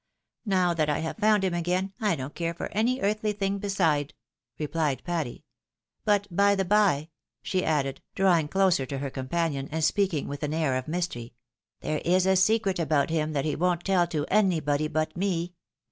Now that I have foimd him again, I don't care for any earthly thing beside," replied Patty. " But, by the by,'' she added, drawing closer to her companion, and. speaking with an air of mystery, " there is a secret about him that he won't teU to anybody but me.